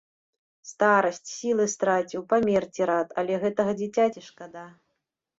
Старасць, сілы страціў, памерці рад, але гэтага дзіцяці шкада.